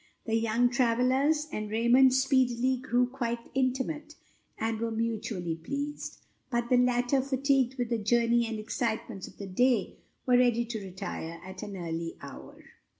The young Travillas and Raymonds speedily grew quite intimate and were mutually pleased; but the latter, fatigued with the journey and excitements of the day, were ready to retire at an early hour.